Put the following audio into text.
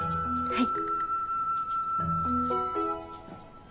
はい。